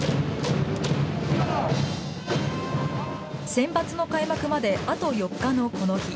センバツの開幕まであと４日のこの日。